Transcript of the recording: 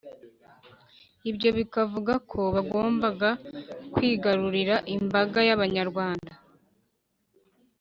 ibyo bikavuga ko bagombaga kwigarurira imbaga y'Abanyarwanda